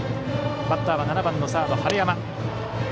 バッターは７番サード、晴山。